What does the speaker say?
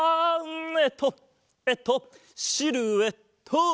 えっとえっとシルエット！